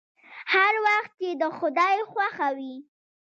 هر وخت چې د خداى خوښه وي.